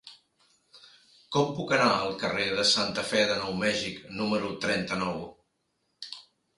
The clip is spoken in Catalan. Com puc anar al carrer de Santa Fe de Nou Mèxic número trenta-nou?